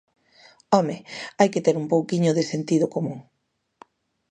¡Home!, hai que ter un pouquiño de sentido común.